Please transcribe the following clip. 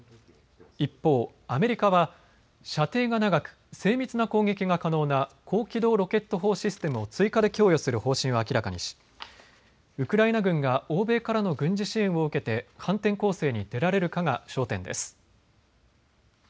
一方、アメリカは射程が長く精密な攻撃が可能な高機動ロケット砲システムを追加で供与する方針を明らかにしウクライナ軍が欧米からの軍事支援を受けて反転攻勢に出られるかが焦点です。